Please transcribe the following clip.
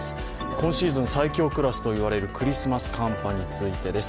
今シーズン最強クラスと言われるクリスマス寒波についてです。